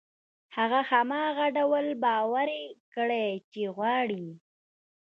هغه هماغه ډول باوري کړئ چې غواړي يې.